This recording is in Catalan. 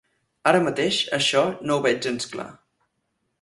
Ara mateix això no ho veig gens clar.